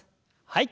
はい。